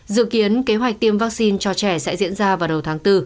dự kiến kế hoạch tiêm vaccine cho trẻ sẽ diễn ra vào đầu tháng bốn